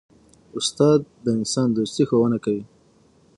استاد د انسان دوستي ښوونه کوي.